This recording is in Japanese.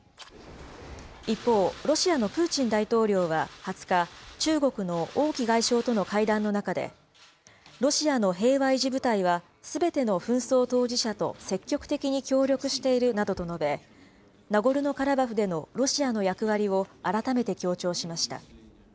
一方、ロシアのプーチン大統領は２０日、中国の王毅外相との会談の中で、ロシアの平和維持部隊はすべての紛争当事者と積極的に協力しているなどと述べ、ナゴルノカラバフでのロシアの役割を改めて強調しました。